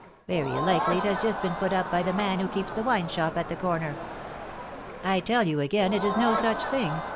Very likely it has just been put up by the man who keeps the wine shop at the corner." "I tell you again it is no such thing.